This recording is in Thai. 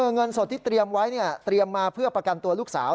เงินสดที่เตรียมไว้เตรียมมาเพื่อประกันตัวลูกสาว